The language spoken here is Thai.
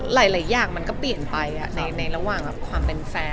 หลายอย่างมันก็เปลี่ยนไปในระหว่างฝีมือ